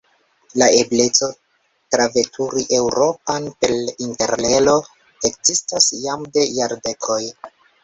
La ebleco traveturi Eŭropon per Interrelo ekzistas jam de jardekoj.